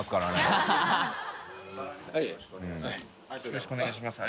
よろしくお願いします